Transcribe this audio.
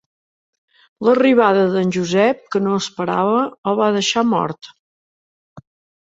L'arribada d'en Josep, que no esperava, el va deixar mort.